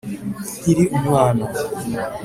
nkiri umwana,